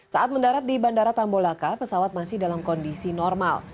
saat mendarat di bandara tambolaka pesawat masih dalam kondisi normal